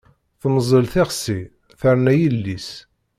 Temzel tixsi, terna yelli-s.